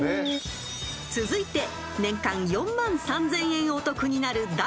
［続いて年間４万３，０００円お得になる第７位は？］